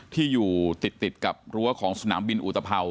ที่อยู่ติดกับรั้วของสนามบินอุตภัว